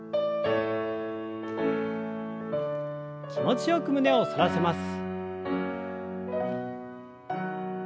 気持ちよく胸を反らせます。